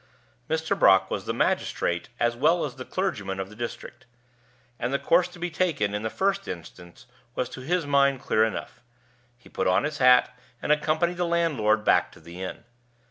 Mr. Brock was the magistrate as well as the clergyman of the district, and the course to be taken, in the first instance, was to his mind clear enough. He put on his hat, and accompanied the landlord back to the inn.